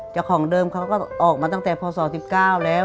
ของเดิมเขาก็ออกมาตั้งแต่พศ๑๙แล้ว